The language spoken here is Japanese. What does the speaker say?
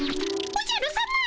おじゃるさま！